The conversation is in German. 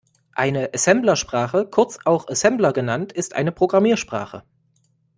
Eine Assemblersprache, kurz auch Assembler genannt, ist eine Programmiersprache.